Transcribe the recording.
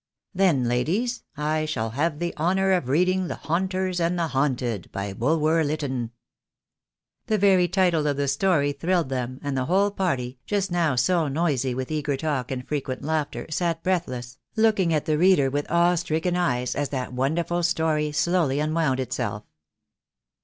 "Then, ladies, I shall have the honour of reading the 'Haunters and the Haunted,' by Bulwer Lytton." The very title of the story thrilled them, and the whole party, just now so noisy with eager talk and frequent laughter, sat breathless, looking at the reader with awe stricken eyes as that wonderful story slowly unwound itself.